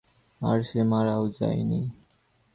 আর সে মারাও যায়নি।